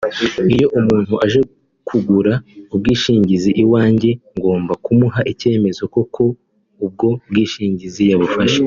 “Iyo umuntu aje kugura ubwishingizi iwanjye ngomba kumuha icyemeza ko koko ubwo bwishingizi yabufashe